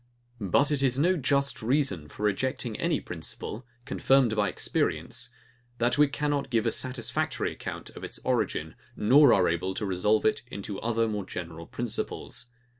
But it is no just reason for rejecting any principle, confirmed by experience, that we cannot give a satisfactory account of its origin, nor are able to resolve it into other more general principles.